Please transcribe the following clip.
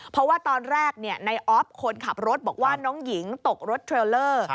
เพราะว่าตอนแรกในออฟคนขับรถบอกว่าน้องหญิงตกรถเทรลเลอร์